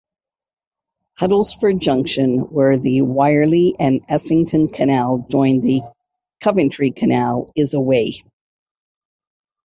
Huddlesford Junction where the Wyrley and Essington Canal joined the Coventry Canal is away.